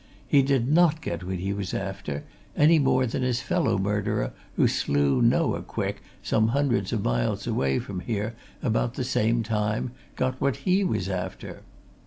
He did not get what he was after any more than his fellow murderer who slew Noah Quick, some hundreds of miles away from here, about the very same time, got what he was after.